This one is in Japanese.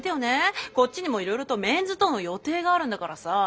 こっちにもいろいろとメンズとの予定があるんだからさ。